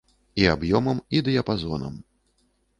І аб'ёмам і дыяпазонам.